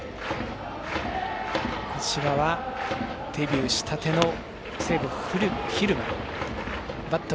こちらはデビューしたての西武、蛭間。